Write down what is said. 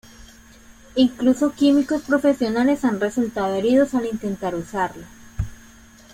Incluso químicos profesionales han resultado heridos al intentar usarla.